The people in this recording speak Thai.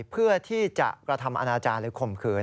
เพื่อที่จะกระทำอนาจารย์หรือข่มขืน